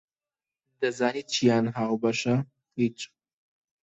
دەزانیت چیان هاوبەشە؟ هیچ!